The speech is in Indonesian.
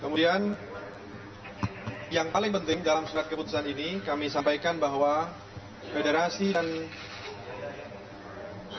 kemudian yang paling penting dalam surat keputusan ini kami sampaikan bahwa federasi dan klub harus betul betul taat secara konsekuen